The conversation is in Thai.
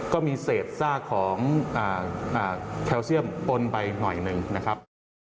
แคลเซียมปนไปหน่อยหนึ่งนะครับ